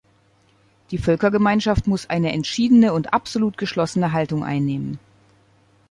Die Völkergemeinschaft muss eine entschiedene und absolut geschlossene Haltung einnehmen.